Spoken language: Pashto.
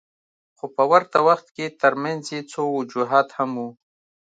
خو په ورته وخت کې ترمنځ یې څو وجوهات هم وو.